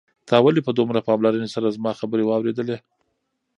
تا ولې په دومره پاملرنې سره زما خبرې واورېدې؟